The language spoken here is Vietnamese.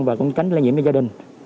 và cũng tránh lây nhiễm cho gia đình